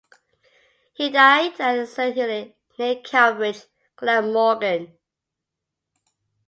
He died at Saint Hilary, near Cowbridge, Glamorgan.